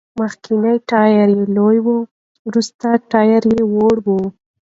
مخکېنی ټایر یې لوی و، وروستی ټایر وړه و.